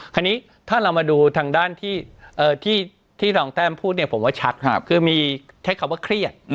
คราวนี้ถ้าเรามาดูทางด้านที่รองแต้มพูดเนี่ยผมว่าชักคือมีใช้คำว่าเครียด